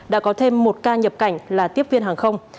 đã có thêm một ca nhập cảnh là tiếp viên hàng không